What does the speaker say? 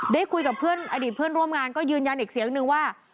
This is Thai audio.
ได้คุยกับเพื่อนอดีตเพื่อนร่วมงานก็ยืนยันอีกเสียงนึงว่า